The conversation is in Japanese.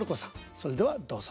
それではどうぞ。